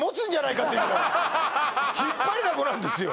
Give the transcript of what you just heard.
ひっぱりだこなんですよ